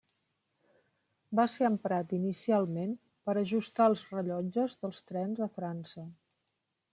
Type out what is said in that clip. Va ser emprat inicialment per ajustar els rellotges dels trens a França.